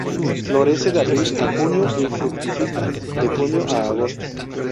Florece de abril a junio y fructifica de junio a agosto.